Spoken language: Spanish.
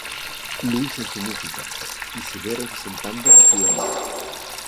Louis en su música, y se ve representando su ciudad.